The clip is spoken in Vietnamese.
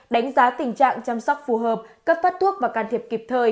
đánh giá tình trạng chăm sóc phù hợp cấp phát thuốc và can thiệp kịp thời